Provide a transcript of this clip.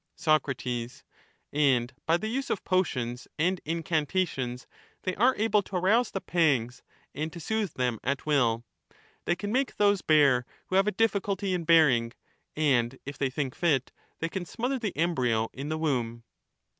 Soc, And by the use of potions and incantations they are able to arouse the pangs and to sooth^ them at will ; they can make those bear who have a difficulty in bearing, and if they think fit they can smother the embryo in the womb.